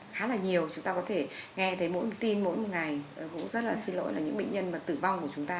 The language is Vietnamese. khá là nhiều chúng ta có thể nghe thấy mỗi tin mỗi ngày cũng rất là xin lỗi là những bệnh nhân tử vong của chúng ta